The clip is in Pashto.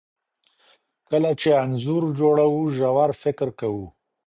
کله چې انځور جوړوو ژور فکر کوو.